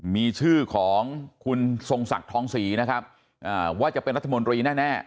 มีชื่อของคุณทรงศักดิ์ทองศรีนะครับว่าจะเป็นรัฐมนตรีแน่